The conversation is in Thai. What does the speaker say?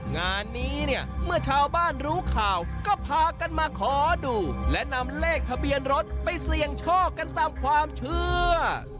งานนี้เนี่ยเมื่อชาวบ้านรู้ข่าวก็พากันมาขอดูและนำเลขทะเบียนรถไปเสี่ยงโชคกันตามความเชื่อ